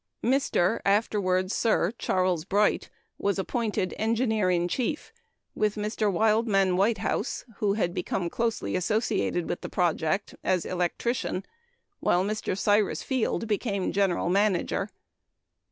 Mr. (afterward Sir Charles) Bright was appointed engineer in chief, with Mr. Wildman Whitehouse (who had become closely associated with the project) as electrician, while Mr. Cyrus Field became general manager.